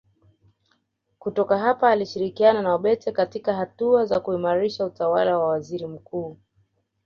Kutoka hapa alishirikiana na Obote katika hatua za kuimarisha utawala wa waziri mkuu